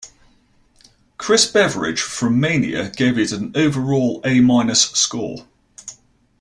Chris Beveridge from "Mania" gave it an overall "A-" score.